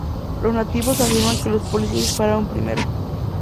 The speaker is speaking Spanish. Los nativos afirman que los policías dispararon primero.